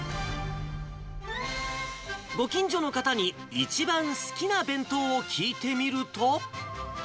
ご近所の方に、一番好きな弁当を聞いてみると。